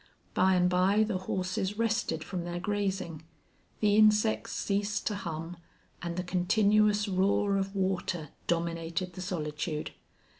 By and by the horses rested from their grazing; the insects ceased to hum; and the continuous roar of water dominated the solitude.